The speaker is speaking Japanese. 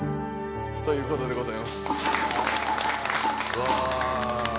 うわ。